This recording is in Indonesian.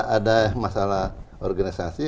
ada masalah organisasi